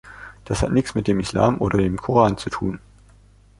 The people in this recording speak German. Das hat nichts mit dem Islam oder dem Koran zu tun.